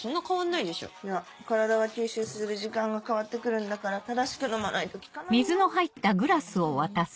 いや体が吸収する時間が変わってくるんだから正しく飲まないと効かないよ。